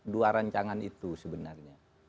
dua rancangan itu sebenarnya